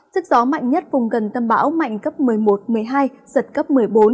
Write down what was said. sức gió mạnh nhất vùng gần tâm bão mạnh cấp một mươi một một mươi hai giật cấp một mươi bốn